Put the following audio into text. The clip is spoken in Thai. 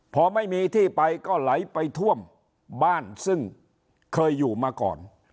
พอไม่มีที่ไปก็ไหลไปท่วมบ้านซึ่งเคยอยู่มาก่อน